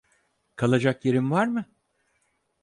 Kalacak yerin var mı?